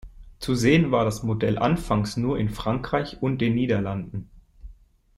Zu sehen war das Modell anfangs nur in Frankreich und den Niederlanden.